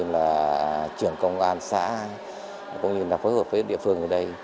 và trưởng công an xã cũng như là phối hợp với địa phương ở đây